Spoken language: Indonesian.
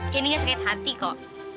kendi gak sakit hati kok